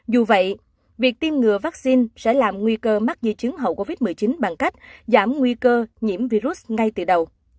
dù vậy việc tiêm ngừa vaccine sẽ làm nguy cơ mắc di chứng hậu covid một mươi chín bằng cách giảm nguy cơ nhiễm virus ngay từ đầu